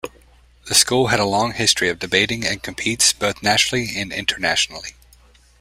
The school had a long history of debating and competes both nationally and internationally.